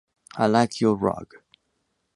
I like your rug.